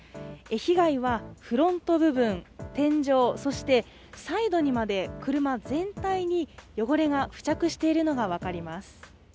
被害はフロント部分、天井そしてサイドにまで車全体に汚れが付着しているのが分かります。